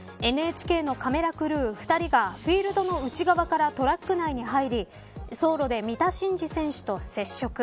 ＮＨＫのカメラクルー２人がフィールドの内側からトラック内に入り走路で三田選手と接触。